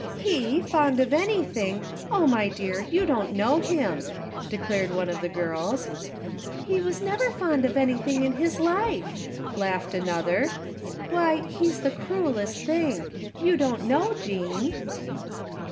" He, fond of anything ! Oh my dear ! You don't know him !" declared one of the girls. " He never was fond of anything in his life," laughed another. " Why, he's the cruellest thing ! You don't know, Jean."